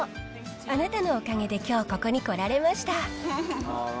あなたのおかげできょうここに来られました。